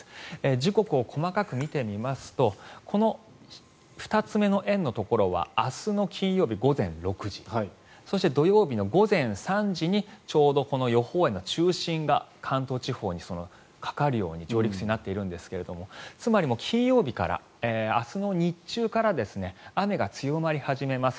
時刻を細かく見てみますと２つ目の円のところは明日の金曜日午前６時そして土曜日の午前３時にちょうどこの予報円の中心が関東地方にかかるように上陸するようになっているんですがつまり、金曜日から明日の日中から雨が強まり始めます。